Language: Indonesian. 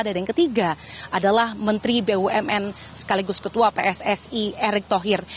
dan yang ketiga adalah menteri bumn sekaligus ketua pssi erick thohir